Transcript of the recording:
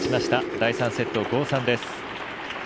第３セット、５−３です。